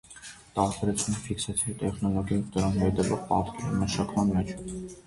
Տարբերությունը ֆիքսացիայի տեխնոլոգիայի և դրան հետևող պատկերի մշակման մեջ է։